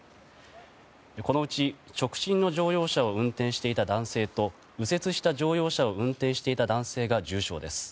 このうち直進の乗用車を運転していた男性と右折した乗用車を運転していた男性が重傷です。